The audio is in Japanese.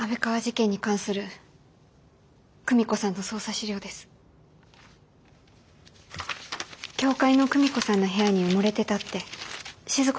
教会の久美子さんの部屋に埋もれてたって静子さんが。